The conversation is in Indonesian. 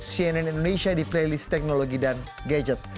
cnn indonesia di playlist teknologi dan gadget